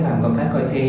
làm công tác coi thi